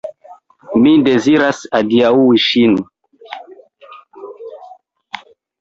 Mi deziras adiaŭi ŝin.